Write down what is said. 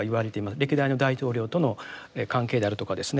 歴代の大統領との関係であるとかですね。